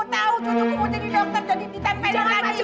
tau cucuku mau jadi dokter jadi ditempelin lagi